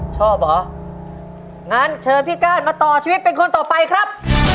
ชอบเหรองั้นเชิญพี่ก้านมาต่อชีวิตเป็นคนต่อไปครับ